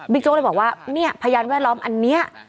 โจ๊กเลยบอกว่าเนี่ยพยานแวดล้อมอันนี้